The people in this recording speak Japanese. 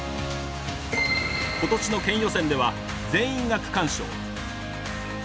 今年の県予選では全員が区間賞。